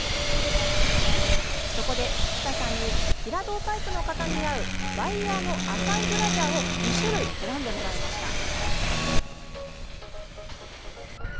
そこで疋田さんに平胴タイプの方に合うワイヤーの浅いブラジャーを２種類、選んでもらいました。